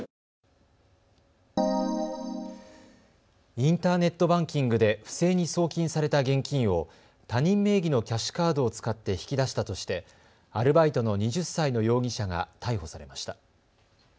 インターネットバンキングで不正に送金された現金を他人名義のキャッシュカードを使って引き出したとしてアルバイトの２０歳の容疑者が逮捕されました。